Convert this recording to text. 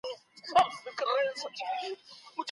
په جنګ کي يوازي ويجاړي وي.